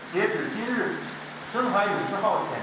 sehingga keberadaan kri riga empat ratus dua ini dilakukan sepuluh kali